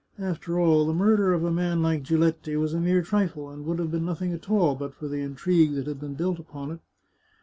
After all, the murder of a man like Giletti was a mere trifle, and would have been nothing at all but for the intrigue that had been built upon it.